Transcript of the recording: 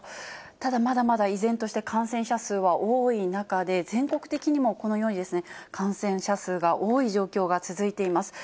ただ、まだまだ依然として感染者数は多い中で、全国的にもこのように、感染者数が多い状況が続いています。